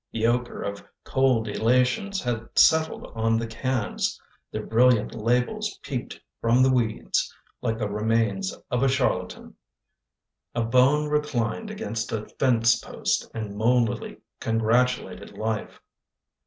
The ochre of cold elations Had settled on the cans. Their brilliant labels peeped from the weeds, Like the remains of a charlatan. A bone reclined against a fence post And mouldily congratulated life.